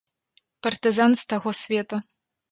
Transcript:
Партызан з таго свету.